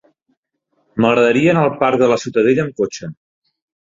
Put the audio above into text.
M'agradaria anar al parc de la Ciutadella amb cotxe.